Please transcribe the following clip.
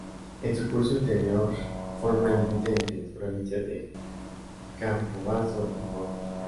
En su curso interior forma el límite entre las provincias de Campobasso y Foggia.